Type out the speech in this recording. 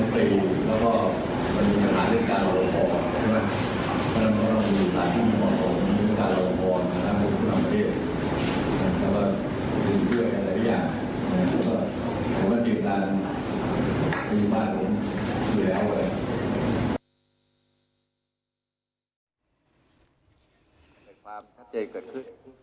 ผมอยู่ข้างมาอยู่บ้านผมอยู่แล้วเลย